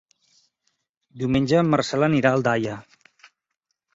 Diumenge en Marcel anirà a Aldaia.